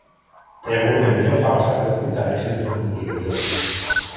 Er wurde mehrfach ausgezeichnet und geehrt.